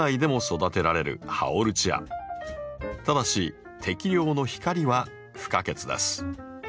ただし適量の光は不可欠です。